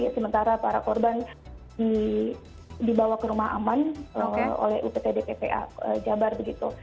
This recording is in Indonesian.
sementara para korban dibawa ke rumah aman oleh uptdppa jabar begitu